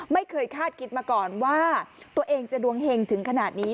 ไม่เคยคาดคิดมาก่อนว่าตัวเองจะดวงเห็งถึงขนาดนี้